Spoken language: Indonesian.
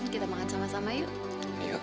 kita makan sama sama yuk